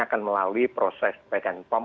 akan melalui proses badan pom